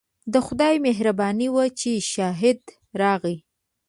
د خدای مهرباني وه چې شاهد راغی.